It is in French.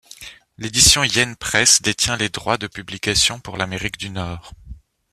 L'édition Yen Press détient les droits de publication pour l'Amérique du Nord.